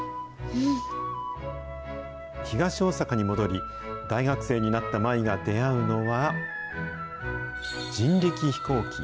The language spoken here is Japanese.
東大阪に戻り、大学生になった舞が出会うのは、人力飛行機。